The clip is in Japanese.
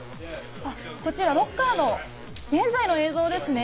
こちらロッカーの現在の映像ですね。